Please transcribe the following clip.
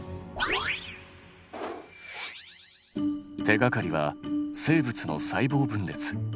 手がかりは生物の細胞分裂。